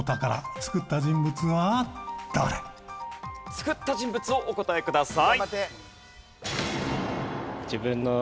作った人物をお答えください。